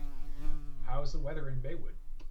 how's the weather in Baywood